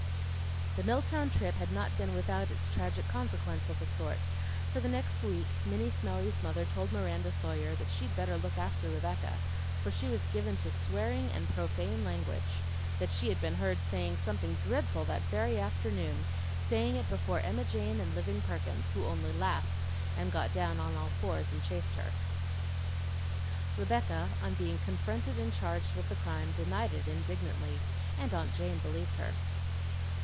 The Milltown trip had not been without its tragic consequences of a small sort; for the next week Minnie Smellie's mother told Miranda Sawyer that she'd better look after Rebecca, for she was given to "swearing and profane language;" that she had been heard saying something dreadful that very afternoon, saying it before Emma Jane and Living Perkins, who only laughed and got down on all fours and chased her. Rebecca, on being confronted and charged with the crime, denied it indignantly, and aunt Jane believed her.